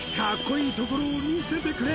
いいところを見せてくれ！